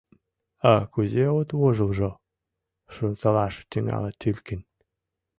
А кузе от вожылжо?! — шылталаш тӱҥале Тюлькин.